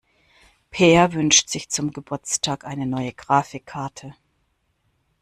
Peer wünscht sich zum Geburtstag eine neue Grafikkarte.